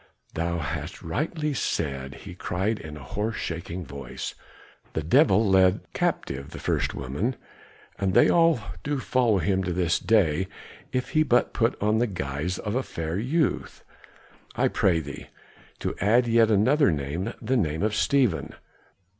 "Thou hast rightly said," he cried in a hoarse shaking voice, "the devil led captive the first woman, and they all do follow him to this day if he but put on the guise of a fair youth. I pray thee to add yet another name, the name of Stephen.